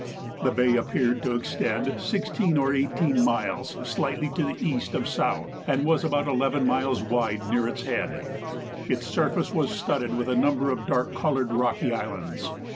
The bay appeared to extend 16 or 18 miles slightly to the east of south, and was about 11 miles wide near its head. Its surface was studded with a number of dark coloured rocky islands.